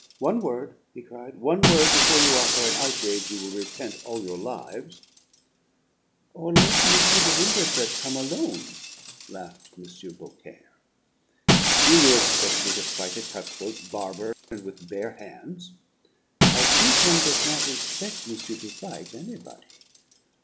"One word!" he cried. "One word before you offer an outrage you will repent all your lives!" "Or let M. de Winterset come alone," laughed M. Beaucaire. "Do you expect me to fight a cut throat barber, and with bare hands?" "I think one does not expec' monsieur to fight anybody.